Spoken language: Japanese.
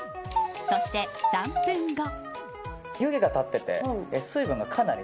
そして３分後。